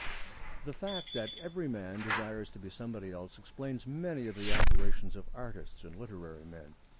The fact that every man desires to be somebody else explains many of the aberrations of artists and literary men.